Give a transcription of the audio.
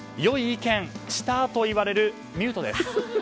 「良い意見したあと言われるミュートです」。